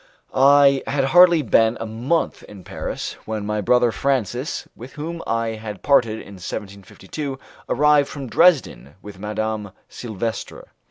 I had hardly been a month in Paris when my brother Francis, with whom I had parted in 1752, arrived from Dresden with Madame Sylvestre.